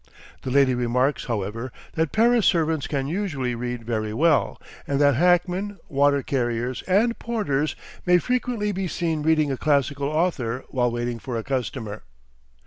The lady remarks, however, that Paris servants can usually read very well, and that hackmen, water carriers, and porters may frequently be seen reading a classical author while waiting for a customer.